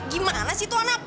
gimana sih tuh anak